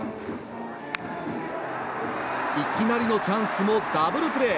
いきなりのチャンスもダブルプレー。